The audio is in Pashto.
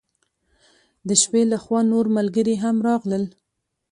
د شپې له خوا نور ملګري هم راغلل.